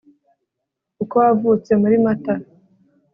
uko wavutse muri mata